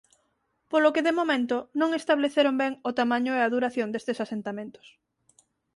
Polo que de momento non estableceron ben o tamaño e a duración destes asentamentos.